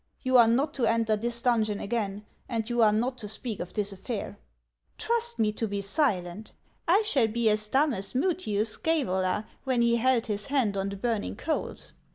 You are not to enter this donjon again, and you are not to speak of this affair." " Trust me to be silent ; I shall be as dumb as Mutius Sctevola when he held his hand on the burning coals.